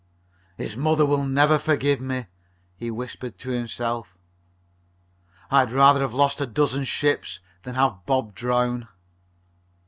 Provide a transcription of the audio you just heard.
"His mother will never forgive me!" he whispered to himself. "I'd rather have lost a dozen ships than have Bob drown!"